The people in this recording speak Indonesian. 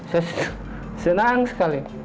saya senang sekali